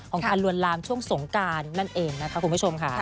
การลวนลามช่วงสงการนั่นเองนะคะคุณผู้ชมค่ะ